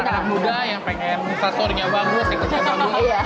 anak anak muda yang pengen instastory nya bagus ikutnya bagus